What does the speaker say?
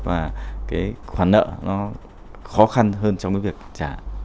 và cái khoản nợ nó khó khăn hơn trong cái việc trả